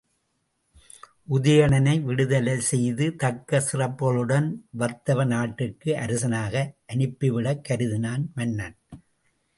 உதயணனை விடுதலை செய்து தக்க சிறப்புக்களுடன் வத்தவ நாட்டிற்கு அரசனாக அனுப்பிவிடக் கருதினான் மன்னன்.